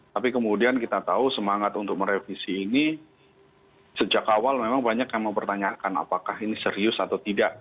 tapi kemudian kita tahu semangat untuk merevisi ini sejak awal memang banyak yang mempertanyakan apakah ini serius atau tidak